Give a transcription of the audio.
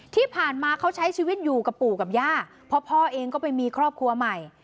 ที่ผ่านมาเขาใช้ชีวิตอยู่กับปู่กับย่าเพราะพ่อเองก็ไปมีครอบครัวใหม่